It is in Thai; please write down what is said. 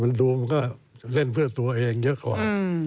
มันดูมันก็เล่นเพื่อตัวเองเยอะกว่า